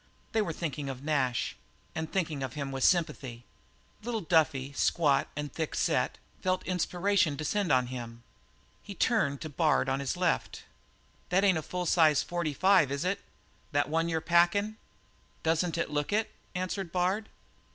They were thinking of Nash, and thinking of him with sympathy. Little Duffy, squat and thick set, felt inspiration descend on him. He turned to Bard on his left. "That ain't a full size forty five, is it that one you're packin'?" "Doesn't it look it?" answered Bard.